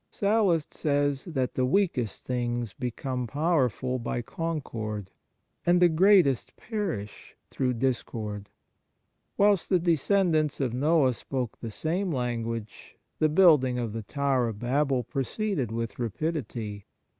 Sallust says that " the weakest things become powerful by concord, and the greatest perish through discord." Whilst the descendants of Noah spoke the same language the build ing of the tower of Babel proceeded with rapidity.